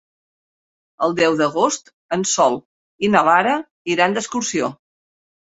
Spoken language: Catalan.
El deu d'agost en Sol i na Lara iran d'excursió.